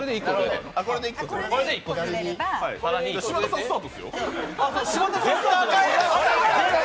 柴田さんスタートですよ。